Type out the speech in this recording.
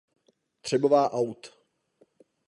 Třebová aut.